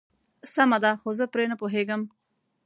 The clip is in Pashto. سمه ده خو زه پرې نه پوهيږم.